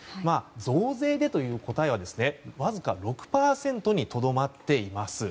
増税でという答えはわずか６％にとどまっています。